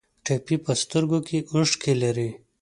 ټپي په سترګو کې اوښکې لري.